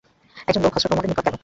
একজন লোক হযরত উমরের নিকট গেল।